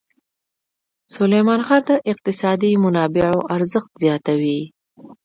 سلیمان غر د اقتصادي منابعو ارزښت زیاتوي.